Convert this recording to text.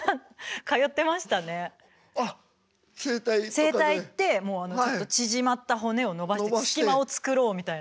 整体行ってもう縮まった骨をのばして隙間を作ろうみたいな。